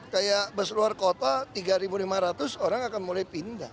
kayak bus luar kota tiga ribu lima ratus orang akan mulai pindah